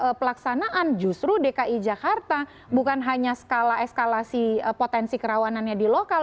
untuk pelaksanaan justru dki jakarta bukan hanya skala eskalasi potensi kerawanannya di lokal